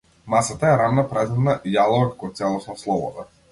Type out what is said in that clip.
Масата е рамна празнина, јалова како целосна слобода.